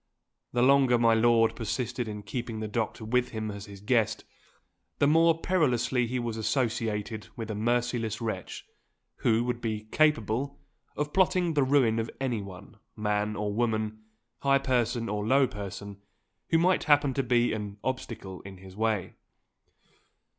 The longer my lord persisted in keeping the doctor with him as his guest, the more perilously he was associated with a merciless wretch, who would be capable of plotting the ruin of anyone man or woman, high person or low person who might happen to be an obstacle in his way.